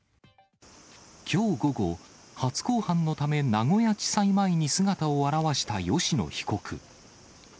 きょう午後、初公判のため、名古屋地裁前に姿を現した吉野被告。